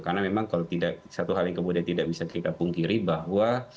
karena memang kalau tidak satu hal yang kemudian tidak bisa kita pungkiri bahwa